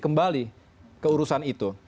kembali keurusan itu